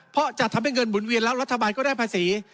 เพราะจะทำให้เงินหมุนเวียนแล้วรัฐบาลก็ได้ภาษี